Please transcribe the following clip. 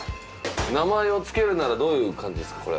名前をつけるならどういう感じですかそれ？